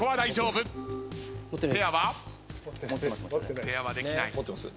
ペアはできない。